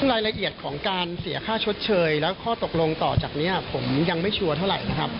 รายละเอียดของการเสียค่าชดเชยและข้อตกลงต่อจากนี้ผมยังไม่ชัวร์เท่าไหร่นะครับ